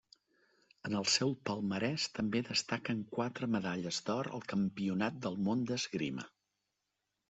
En el seu palmarès també destaquen quatre medalles d'or al campionat del món d'esgrima.